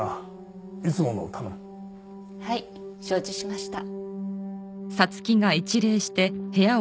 はい承知しました。